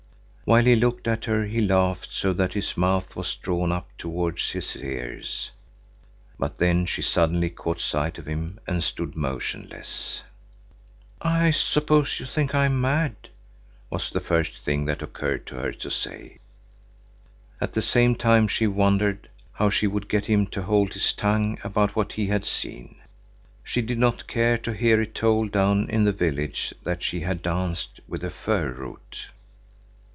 While he looked at her he laughed so that his mouth was drawn up towards his ears. But then she suddenly caught sight of him and stood motionless. "I suppose you think I am mad," was the first thing that occurred to her to say. At the same time she wondered how she would get him to hold his tongue about what he had seen. She did not care to hear it told down in the village that she had danced with a fir root.